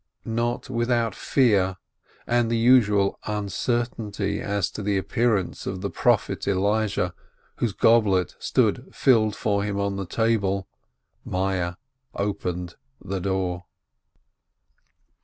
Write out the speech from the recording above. Not without fear, and the usual uncertainty as to the appearance of the Prophet Elijah, whose goblet stood filled for him on the table, Meyerl opened the door.